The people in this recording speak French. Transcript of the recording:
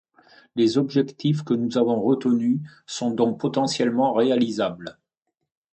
Les objectifs que nous avons retenus sont donc potentiellement réalisables.